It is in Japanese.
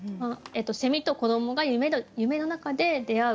と子どもが夢のなかで出会う。